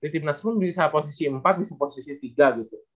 di team nuts pun bisa posisi empat bisa posisi tiga gitu